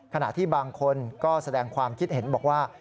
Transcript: ขณะที่บางคนก็แสดงความคิดเห็นบอกว่า